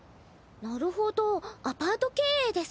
なるほどアパート経営ですか。